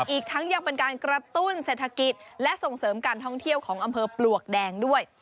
อีกทั้งยังเป็นการกระตุ้นเศรษฐกิจและส่งเสริมการท่องเที่ยวของอำเภอปลวกแดงด้วย